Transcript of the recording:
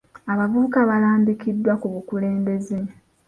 Abavubuka baalambikiddwa ku bukulembeze.